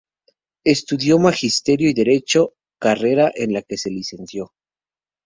Estudió Magisterio y Derecho, carrera en la que se licenció.